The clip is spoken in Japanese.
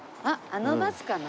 あのバスかな？